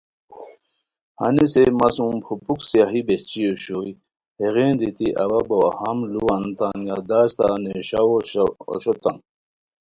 ہنیسے مہ سوم پھوپُھوک سیاہی بہچی اوشوئے ہیغین دیتی اوا بو اہم لُووان تان یاد داشتہ نیویشاؤ اوشوتام